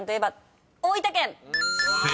［正解。